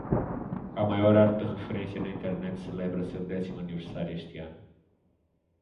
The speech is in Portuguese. A maior arte de referência na Internet celebra seu décimo aniversário este ano.